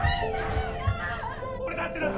俺だってな